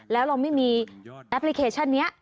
แล้วเราไม่มีแอปพลิเคชันนี้